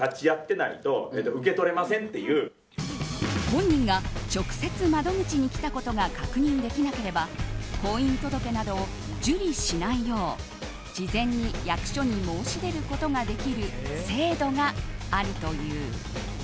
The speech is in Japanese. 本人が直接窓口に来たことが確認できなければ婚姻届などを受理しないよう事前に役所に申し出ることができる制度があるという。